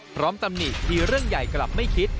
พร้อมตำหนี้ที่เรื่องใหญ่กลับไม่คิด